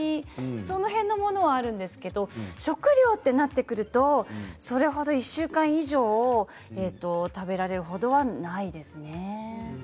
その辺のものはあるんですが食料となってくると１週間以上食べられるほどはないですね。